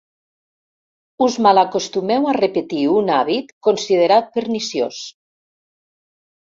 Us malacostumeu a repetir un hàbit considerat perniciós.